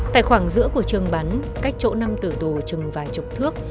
tại khoảng giữa của trường bắn cách chỗ năm tử tù chừng vài chục thước